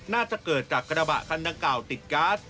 น่าจะเกิดจากกระบะคันดังกล่าวติดก๊าซ